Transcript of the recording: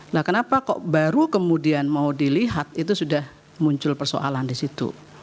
nah kenapa kok baru kemudian mau dilihat itu sudah muncul persoalan di situ